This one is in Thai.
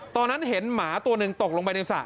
ตอนนั้นแม่เห็นหมาตัวหนึ่งตกลงในน้ำสา